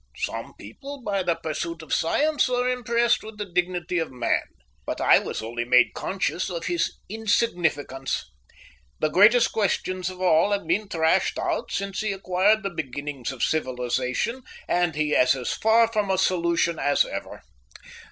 Some people, by the pursuit of science, are impressed with the dignity of man, but I was only made conscious of his insignificance. The greatest questions of all have been threshed out since he acquired the beginnings of civilization and he is as far from a solution as ever.